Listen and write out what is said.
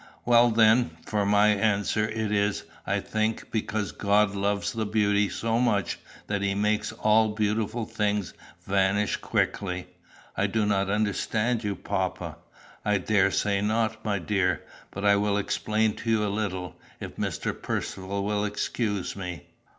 Well, then, for my answer; it is, I think, because God loves the beauty so much that he makes all beautiful things vanish quickly." "I do not understand you, papa." "I daresay not, my dear. But I will explain to you a little, if Mr. Percivale will excuse me."